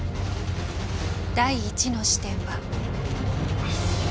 第１の視点は。